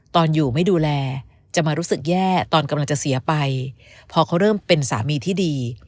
ตอนอยู่ไม่ดูแลจะมารู้สึกแย่ตอนกำลังจะเสียไปพอเขาเริ่มเป็นสามีที่ดี